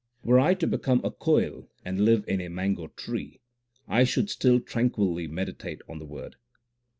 Were I to become a koil and live in a mango tree, I should still tranquilly meditate on the Word.